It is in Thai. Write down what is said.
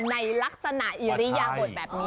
ในลักษณะอิริยบทแบบนี้